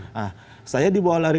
nah saya dibawa lari